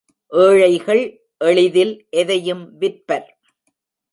ஏழைகள், எளிதில் எதையும் விற்பர்.